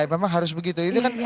memang harus begitu